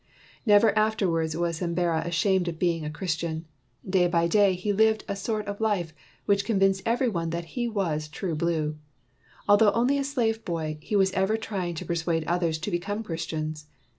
Never afterwards was Sembera ashamed of being a Christian. Day by day, he lived the sort of life which convinced every one that he was "true blue." Although only a slave boy, he was ever trying to persuade others to become Christians.